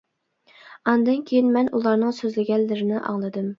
ئاندىن كېيىن مەن ئۇلارنىڭ سۆزلىگەنلىرىنى ئاڭلىدىم.